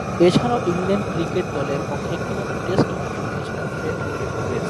এছাড়াও England cricket দলের পক্ষে একটিমাত্র টেস্টে অংশ নিয়েছিলেন ফ্রেড গ্রেস।